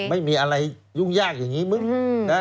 ไม่มีอะไรยุ่งยากอย่างนี้มึง